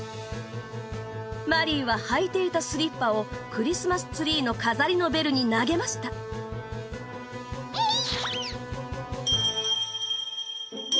マリーははいていたスリッパをクリスマスツリーの飾りのベルに投げましたえいっ！